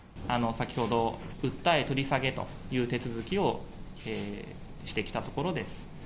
先ほど、訴え取り下げという手続きをしてきたところです。